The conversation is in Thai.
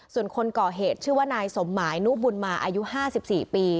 ส่วนคนก่อเหตุชื่อว่านายสมหมายนุบุญมาอายุ๕๔ปี